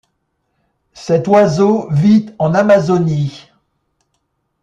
Cet oiseau vit en Amazonie.